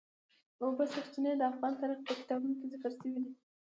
د اوبو سرچینې د افغان تاریخ په کتابونو کې ذکر شوی دي.